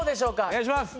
お願いします。